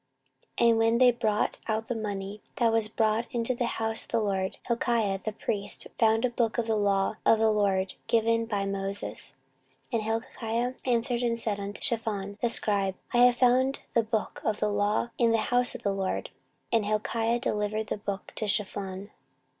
14:034:014 And when they brought out the money that was brought into the house of the LORD, Hilkiah the priest found a book of the law of the LORD given by Moses. 14:034:015 And Hilkiah answered and said to Shaphan the scribe, I have found the book of the law in the house of the LORD. And Hilkiah delivered the book to Shaphan.